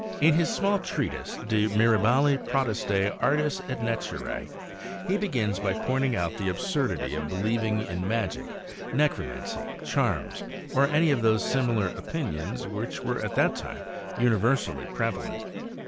In his small treatise De Mirabili Potestate Arti^ et Naturce, he begins by pointing out the absurdity of believing in magic, necromancy, charms, or any of those similar opinions which were at that time universally prevalent.